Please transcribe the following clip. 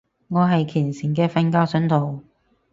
我係虔誠嘅瞓覺信徒